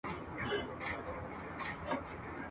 عُمر مي وعدو د دروغ وخوړی !.